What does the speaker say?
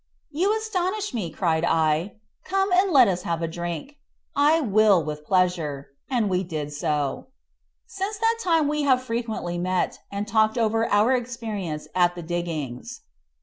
"You astonish me," cried I; "come and let us have a drink." "I will, with pleasure," and we did so. Since that time we have frequently met, and talked over our experience at the diggings.